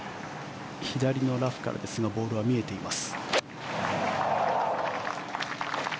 左のラフからですがボールは見えています。